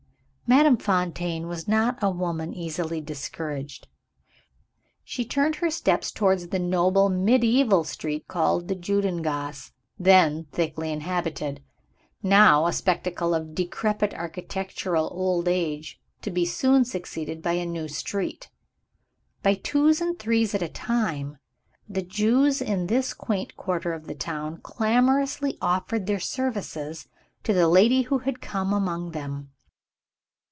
Madame Fontaine was not a woman easily discouraged. She turned her steps towards the noble medieval street called the Judengasse then thickly inhabited; now a spectacle of decrepit architectural old age, to be soon succeeded by a new street. By twos and threes at a time, the Jews in this quaint quarter of the town clamorously offered their services to the lady who had come among them.